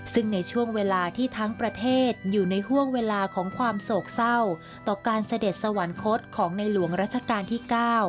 ซึ่งในช่วงเวลาที่ทั้งประเทศอยู่ในห่วงเวลาของความโศกเศร้าต่อการเสด็จสวรรคตของในหลวงรัชกาลที่๙